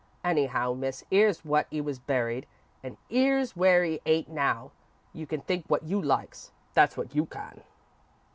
Anyhow, Miss, 'ere's where 'e was buried, and 'ere's where 'e ain't now. You can think wot you likes, that's wot you can."